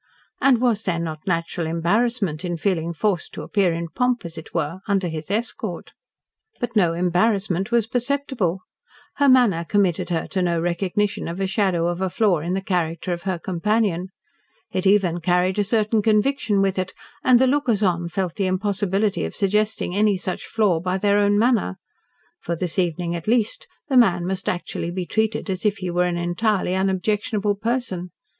and was there not natural embarrassment in feeling forced to appear in pomp, as it were, under his escort? But no embarrassment was perceptible. Her manner committed her to no recognition of a shadow of a flaw in the character of her companion. It even carried a certain conviction with it, and the lookers on felt the impossibility of suggesting any such flaw by their own manner. For this evening, at least, the man must actually be treated as if he were an entirely unobjectionable person.